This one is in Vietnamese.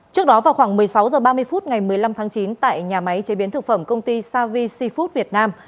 trước đó vào khoảng một mươi sáu h ba mươi phút ngày một mươi năm tháng chín tại nhà máy chế biến thực phẩm công ty savi food việt nam